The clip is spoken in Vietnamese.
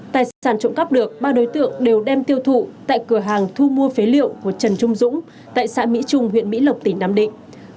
tài sản trộm cắp được ba đối tượng đều đem tiêu thụ tại cửa hàng thu mua phế liệu của trần trung dũng tại xã mỹ trung huyện mỹ lộc tỉnh nam định